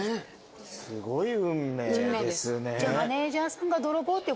すごい運命ですね。